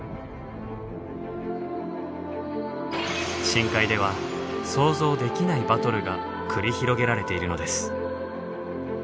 深海では想像できないバトルが繰り広げられているのです。